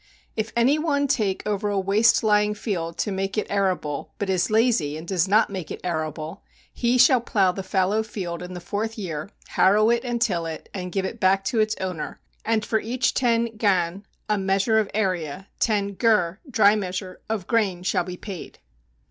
If any one take over a waste lying field to make it arable, but is lazy, and does not make it arable, he shall plow the fallow field in the fourth year, harrow it and till it, and give it back to its owner and for each ten gan [a measure of area] ten gur [dry measure] of grain shall be paid.